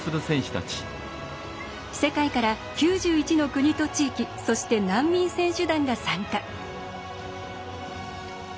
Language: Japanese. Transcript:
世界から９１の国と地域そして、難民選手団が参加。